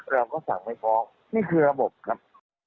เราก็สั่งไม่ฟ้องนี่คือระบบครับ